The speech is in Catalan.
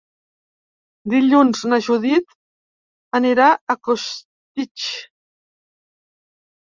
Dilluns na Judit anirà a Costitx.